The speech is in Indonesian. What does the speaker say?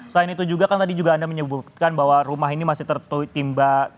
selain itu juga kan tadi juga anda menyebutkan bahwa rumah ini masih tertimba